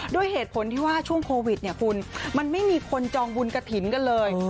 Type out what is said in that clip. ด้วยเหตุผลที่ว่าช่วงโควิดเนี่ยคุณมันไม่มีคนจองบุญกระถิ่นกันเลย